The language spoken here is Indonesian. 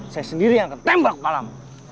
saya sendiri yang akan tembak malam